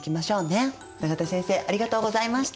永田先生ありがとうございました。